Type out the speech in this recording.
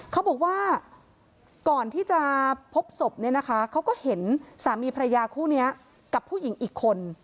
เขาบอกว่าก่อนที่จะพบศพเนี่ยนะคะเขาก็เห็นสามีพระยาคู่นี้กับผู้หญิงอีกคน